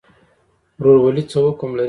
ورورولي څه حکم لري؟